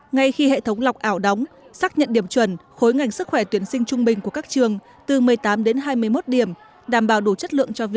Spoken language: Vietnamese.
ngay khi hệ thống lọc ảo đóng xác nhận điểm chuẩn khối ngành sức khỏe tuyển sinh trung bình của các trường